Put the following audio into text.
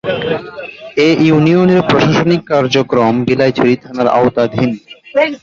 এ ইউনিয়নের প্রশাসনিক কার্যক্রম বিলাইছড়ি থানার আওতাধীন।